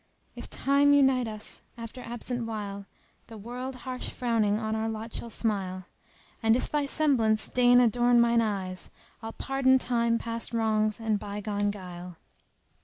— "If Time unite us after absent while, * The world harsh frowning on our lot shall smile And if thy semblance deign adorn mine eyes,[FN#293] * I'll pardon Time past wrongs and by gone guile."